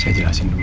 saya jelasin dulu